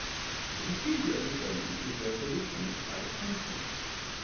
The procedure of the sermon was there fore determined by its function.